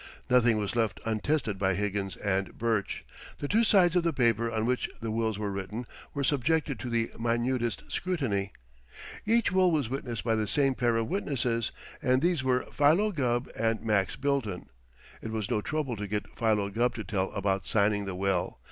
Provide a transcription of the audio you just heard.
Nothing was left untested by Higgins and Burch. The two sides of the paper on which the wills were written were subjected to the minutest scrutiny. Each will was witnessed by the same pair of witnesses, and these were Philo Gubb and Max Bilton. It was no trouble to get Philo Gubb to tell about signing the will.